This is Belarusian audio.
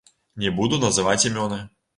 Не буду называць імёны.